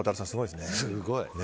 すごい！